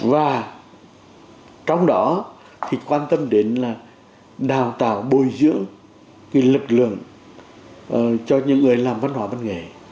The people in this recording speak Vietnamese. và trong đó quan tâm đến đào tạo bồi dưỡng lực lượng cho những người làm văn hóa văn nghệ